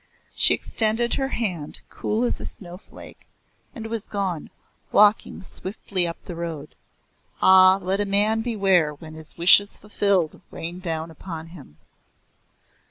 She extended her hand cool as a snowflake, and was gone, walking swiftly up the road. Ah, let a man beware when his wishes fulfilled, rain down upon him!